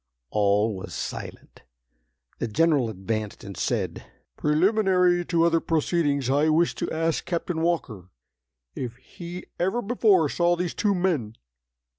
All was silent. The General advanced and said: "Preliminary to other proceedings, I wish to ask Captain Walker if he ever before saw these two men?"